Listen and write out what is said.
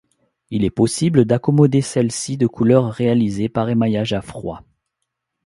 Il est possible d'accommoder celle-ci de couleurs réalisées par émaillage à froid.